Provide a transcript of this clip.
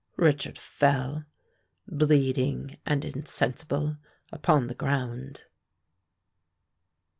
Richard fell, bleeding and insensible, upon the ground.